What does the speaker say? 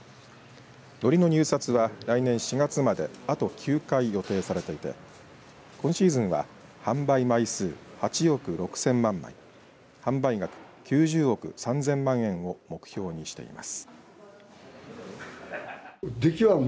のりの入札は、来年４月まであと９回予定されていて今シーズンは販売枚数８億６０００万枚販売額９０億３０００万円を目標にしています。